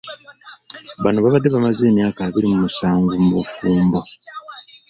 Bano babadde bamaze emyaka abiri mu musanvu mu bufumbo .